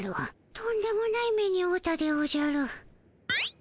とんでもない目におうたでおじゃる。